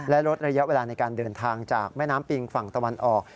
และลดระยะเวลาในการเดินทางจากแม่น้ำปิงฝั่งตะวันออก